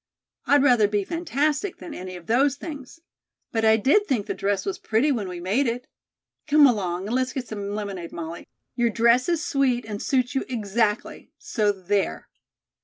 I'd rather be fantastic than any of those things. But I did think the dress was pretty when we made it." "Come along, and let's get some lemonade, Molly. Your dress is sweet and suits you exactly, so there."